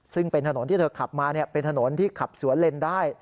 ซึ่งเป็นถนนที่เธอขับมาเป็นถนนที่ขับสวนเลนได้